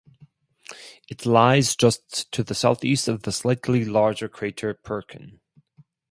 It lies just to the southeast of the slightly larger crater Perkin.